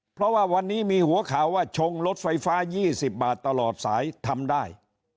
เพราะว่าวันนี้มีหัวข่าวว่าชงรถไฟฟ้า๒๐บาทตลอดสายทำได้